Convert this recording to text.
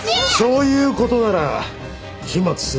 そういう事なら始末するしかねえな。